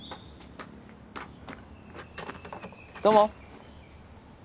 どうも。